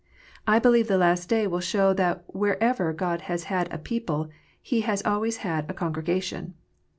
I believe the last day will show that wherever God has had a people He has always had a congregation.